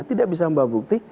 tidak bisa membawa bukti